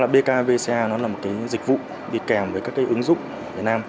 bkvca là một dịch vụ đi kèm với các ứng dụng việt nam